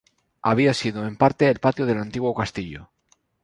Había sido, en parte, el patio del antiguo castillo.